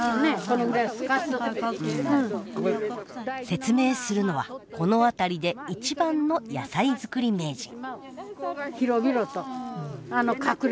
説明するのはこの辺りで一番の野菜作り名人。